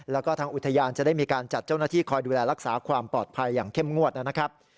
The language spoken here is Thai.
แล้วก็ทางอุทยานจะได้มีการจัดเจ้าหน้าที่คอยดูแลรักษาความปลอดภัยอย่างเข้มงวดนะครับ